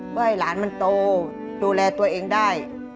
เพื่อให้หลานมันโตดูแลตัวเองได้